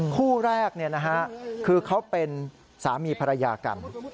คู่แรกคือเขาเป็นสามีภรรยากัน